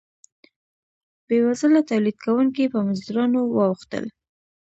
بیوزله تولید کوونکي په مزدورانو واوښتل.